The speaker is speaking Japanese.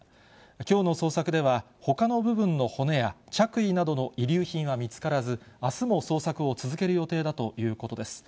きょうの捜索では、ほかの部分の骨や着衣などの遺留品は見つからず、あすも捜索を続ける予定だということです。